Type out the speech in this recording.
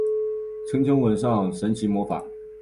轻轻吻上的神奇魔法